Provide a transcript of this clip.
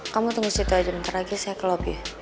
kamu tunggu situ aja ntar lagi saya ke lobby